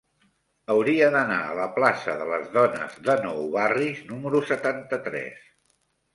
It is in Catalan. Hauria d'anar a la plaça de Les Dones de Nou Barris número setanta-tres.